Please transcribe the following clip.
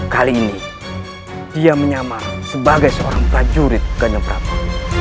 kali ini dia menyamar sebagai seorang prajurit ganyaprapa